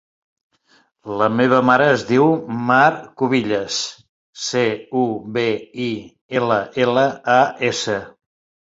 La meva mare es diu Mar Cubillas: ce, u, be, i, ela, ela, a, essa.